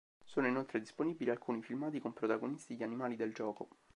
Sono inoltre disponibili alcuni filmati con protagonisti gli animali del gioco.